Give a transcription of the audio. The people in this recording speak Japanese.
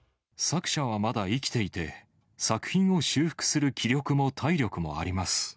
作者はまだ生きていて、作品を修復する気力も体力もあります。